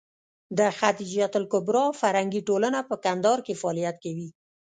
د خدېجه الکبرا فرهنګي ټولنه په کندهار کې فعالیت کوي.